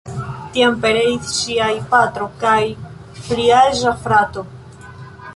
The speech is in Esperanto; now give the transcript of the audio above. Tiam pereis ŝiaj patro kaj pliaĝa frato.